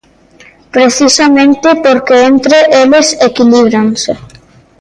Precisamente porque entre eles equilíbranse.